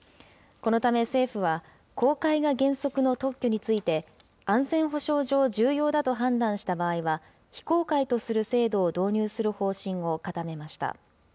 このため政府は、公開が原則の特許について、安全保障上重要だと判断した場合は、非公開とする制度を導入する方針を固めました。